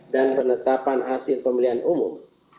dan penetapan hasil pemilihan umum